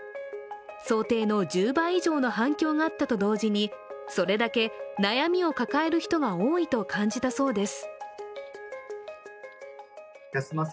想定の１０倍以上の反響があったと同時に、それだけ悩みを抱える人が多いと感じたそうです。